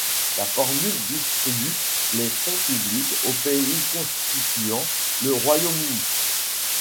La formule distribue les fonds publics aux pays constituants le Royaume-Uni.